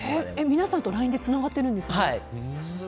皆さんとＬＩＮＥでつながっているんですか。